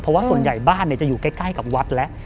เพราะว่าส่วนใหญ่บ้านจะอยู่ใกล้กับวัดแล้ว